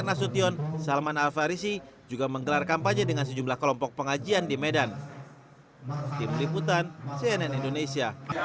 assalamualaikum warahmatullahi wabarakatuh